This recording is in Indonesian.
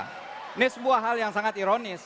ini sebuah hal yang sangat ironis